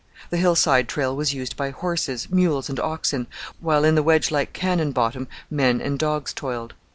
The hillside trail was used by horses, mules, and oxen, while in the wedge like canyon bottom men and dogs toiled.